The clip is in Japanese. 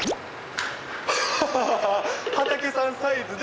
畠さんサイズで。